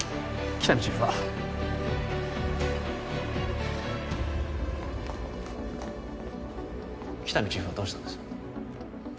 喜多見チーフはどうしたんです？